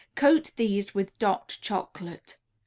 Coat these with "Dot" Chocolate.